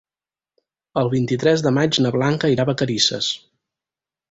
El vint-i-tres de maig na Blanca irà a Vacarisses.